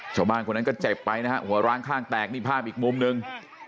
ชาวบ้านคนนั้นก็เจ็บไปนะฮะหัวร้างข้างแตกนี่ภาพอีกมุมหนึ่ง